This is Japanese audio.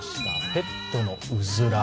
ペットのうずら。